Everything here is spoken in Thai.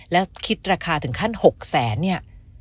แล้วคิดราคาถึงขั้น๖แสนเนี่ย